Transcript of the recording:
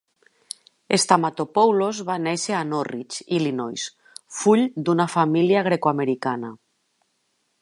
Stamatopoulos va néixer a Norridge, Illinois, full d'una família greco-americana .